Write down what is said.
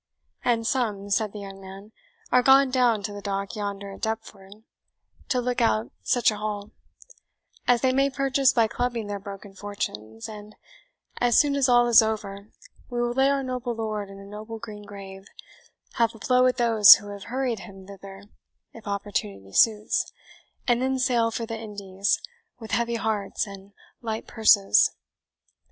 "And some," said the young man, "are gone down to the Dock yonder at Deptford, to look out such a hull; as they may purchase by clubbing their broken fortunes; and as soon as all is over, we will lay our noble lord in a noble green grave, have a blow at those who have hurried him thither, if opportunity suits, and then sail for the Indies with heavy hearts and light purses."